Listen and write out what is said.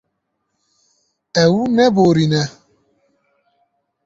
Ew neborîne.